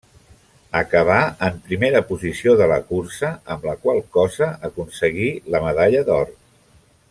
Acabà en primera posició de la cursa, amb la qual cosa aconseguí la medalla d'or.